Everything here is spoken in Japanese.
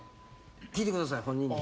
聞いてください本人に。